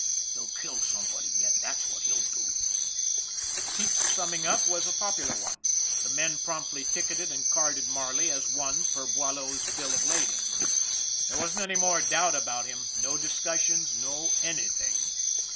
He'll kill somebody yet, that's what he'll do !" Pete's summing up was a popular one the men promptly ticketed and carded Marley as per Boileau's bill of lading. There wasn't any more doubt about 222 ON THE IRON AT BIG CLOUD him, no discussions, no anything.